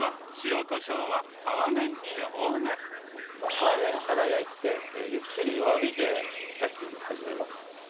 皮面から焼いてゆっくり弱火で焼き始めます。